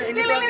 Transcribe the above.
ini tuh agenda